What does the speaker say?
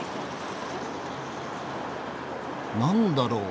何だろう？